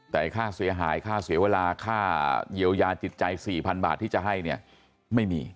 แต่ค่าเสียหายค่าเสียเวลาค่าเยียวยาจิตใจ๔๐๐๐บาทที่จะให้เนี่ยไม่มี